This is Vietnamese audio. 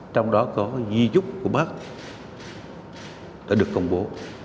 trong đó có di giúp của bác đã được công bố